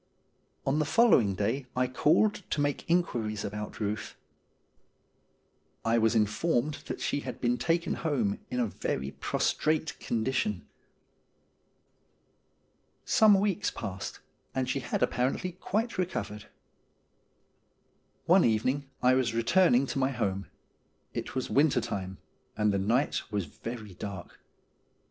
On the following day J RUTH 155 called to make inquiries about Euth. I was informed that she had been taken home in a very prostrate condition. Some weeks passed, and she had apparently quite recovered. One evening I was returning to my home. It was winter time, and the night was very dark.